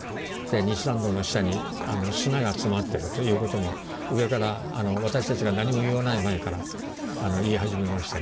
西参道の下に砂が詰まってるということも上から私たちが何も言わない前から言い始めましてね。